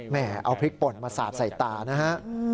เอาพริกป่นมาสาดใส่ตานะฮะ